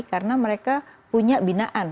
karena mereka punya binaan